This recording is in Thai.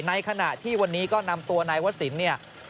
ในขณะที่วันนี้ก็นำตัวนายวศิลป์เนี่ย